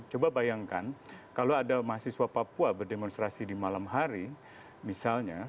coba bayangkan kalau ada mahasiswa papua berdemonstrasi di malam hari misalnya